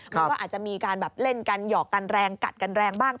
มันก็อาจจะมีการแบบเล่นกันหยอกกันแรงกัดกันแรงบ้าง